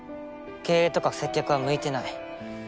経営とか接客は向いてない。